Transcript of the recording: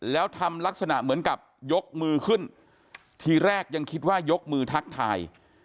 แล้วทำลักษณะเหมือนกับยกมือขึ้นทีแรกยังคิดว่ายกมือทักทาย